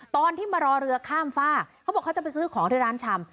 ตอนที่มารอเรือข้ามฝ้าเขาบอกเขาจะไปซื้อของที่ร้านชำ